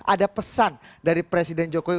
ada pesan dari presiden jokowi